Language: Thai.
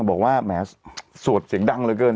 บอกว่าแหมสวดเสียงดังเหลือเกิน